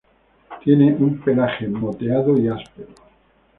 Tiene un pelaje moteado y áspero.